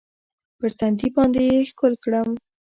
پر تندي باندې يې ښکل کړم.